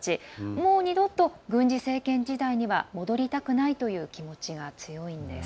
もう二度と軍事政権時代には戻りたくないという気持ちが強いんです。